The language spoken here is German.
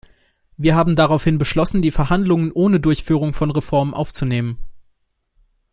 Wir haben daraufhin beschlossen, die Verhandlungen ohne Durchführung von Reformen aufzunehmen.